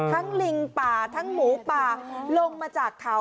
ลิงป่าทั้งหมูป่าลงมาจากเขา